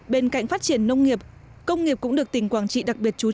bên cạnh phát triển nông nghiệp công nghiệp cũng được tỉnh quảng trị đặc biệt truyền